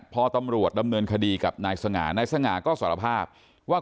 พอตำรวจดำเนินคดีกับนายสง่านายสง่าก็สารภาพว่า